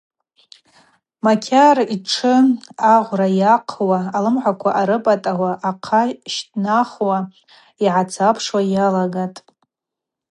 Макьар йтшы агъвра йахъуа, алымхӏаква арыпӏатӏауа, ахъа щтӏнахуа, йгӏацапшуа йалагатӏ.